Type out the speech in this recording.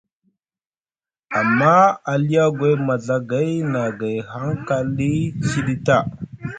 Amma aliogoy maɵagay na gay hangalɗi siɗi ta.